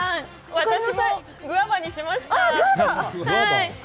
私もグアバにしました。